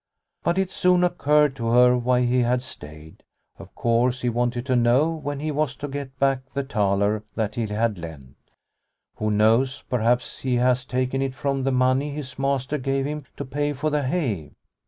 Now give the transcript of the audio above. But it soon occurred to her why he had stayed. Of course he wanted to know when he was to get back the thaler that he had lent. Who knows, perhaps he has taken it from the money his master gave him to pay for the hay